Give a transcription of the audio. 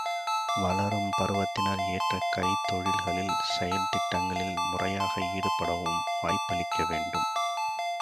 வளரும் பருவத்தினர், ஏற்ற கைத்தொழில்களில், செயல் திட்டங்களில், முறையாக ஈடுபடவும் வாய்ப்பளிக்கி வேண்டும்.